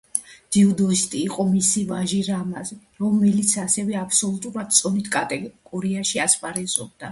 ძიუდოისტი იყო მისი ვაჟი რამაზი, რომელიც ასევე აბსოლუტურ წონით კატეგორიაში ასპარეზობდა.